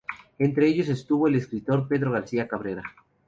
Entre ellos estuvo el escritor Pedro García Cabrera.